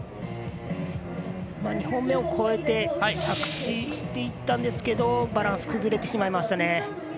２本目を越えて着地していったんですけどバランスが崩れてしまいましたね。